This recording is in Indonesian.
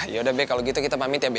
yaudah be kalo gitu kita pamit ya be